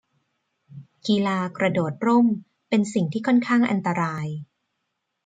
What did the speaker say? กีฬากระโดดร่ม เป็นสิ่งที่ค่อนข้างอันตราย